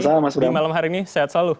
semoga selama malam hari ini sehat selalu